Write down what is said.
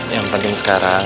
yang penting sekarang